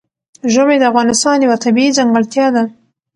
ژمی د افغانستان یوه طبیعي ځانګړتیا ده.